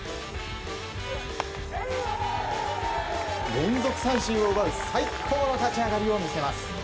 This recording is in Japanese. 連続三振を奪う最高の立ち上がりを見せます。